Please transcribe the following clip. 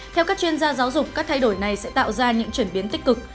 theo các chuyên gia giáo dục các thay đổi này sẽ tạo ra những chuyển biến tích cực